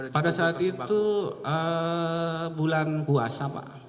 pada saat itu bulan puasa pak